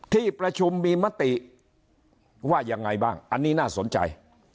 ที่ประชุมมีมติว่ายังไงบ้างอันนี้น่าสนใจ